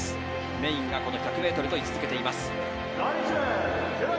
メインがこの１００ｍと位置づけています。